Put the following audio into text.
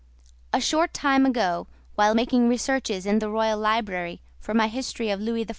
A short time ago, while making researches in the Royal Library for my History of Louis XIV.